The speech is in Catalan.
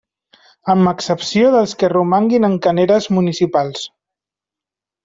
Amb excepció dels que romanguin en caneres municipals.